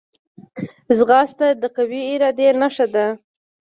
ځغاسته د قوي ارادې نښه ده